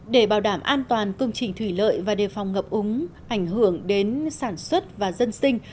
để bảo đảm an toàn công trình thủy lợi và đề phòng ngập úng ảnh hưởng đến sản xuất và dân sinh